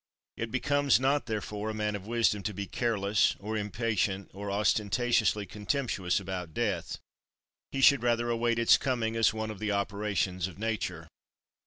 It becomes not therefore a man of wisdom to be careless, or impatient, or ostentatiously contemptuous about death; he should rather await its coming as one of the operations of nature.